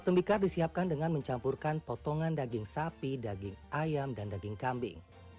tembikar disiapkan dengan mencampurkan potongan daging sapi daging ayam dan daging kambing